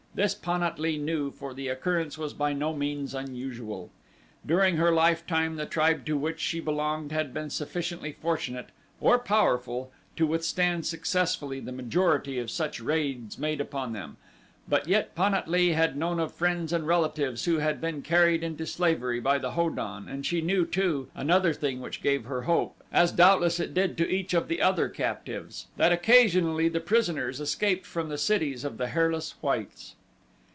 This Pan at lee knew for the occurrence was by no means unusual. During her lifetime the tribe to which she belonged had been sufficiently fortunate, or powerful, to withstand successfully the majority of such raids made upon them, but yet Pan at lee had known of friends and relatives who had been carried into slavery by the Ho don and she knew, too, another thing which gave her hope, as doubtless it did to each of the other captives that occasionally the prisoners escaped from the cities of the hairless whites.